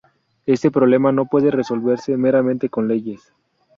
Este problema no puede resolverse meramente con leyes.